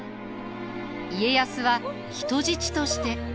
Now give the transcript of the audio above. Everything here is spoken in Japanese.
家康は人質として。